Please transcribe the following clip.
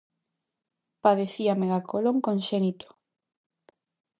Padecía megacolon conxénito.